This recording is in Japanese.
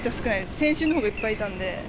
先週のほうがいっぱいいたんで。